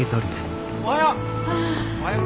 おはよう！